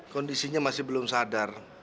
kondisinya masih belum sadar